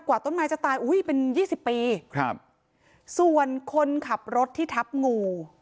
ต้นไม้จะตายอุ้ยเป็นยี่สิบปีครับส่วนคนขับรถที่ทับงู